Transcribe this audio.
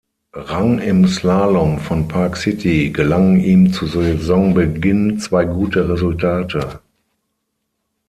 Rang im Slalom von Park City gelangen ihm zu Saisonbeginn zwei gute Resultate.